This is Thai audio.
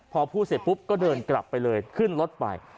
พอพูดเสร็จปุ๊บก็เดินกลับไปเลยขึ้นรถไป